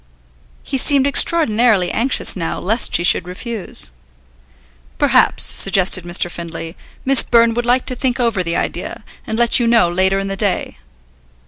He seemed extraordinarily anxious, now, lest she should refuse. "Perhaps," suggested Mr. Findlay, "Miss Byrne would like to think over the idea, and let you know later in the day."